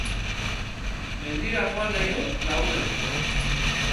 Mendira joan nahi dut lagunekin